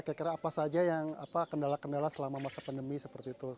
kira kira apa saja yang kendala kendala selama masa pandemi seperti itu